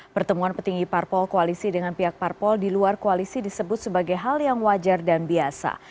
pertemuan petinggi parpol koalisi dengan pihak parpol di luar koalisi disebut sebagai hal yang wajar dan biasa